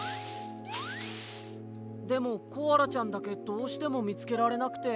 でもコアラちゃんだけどうしてもみつけられなくて。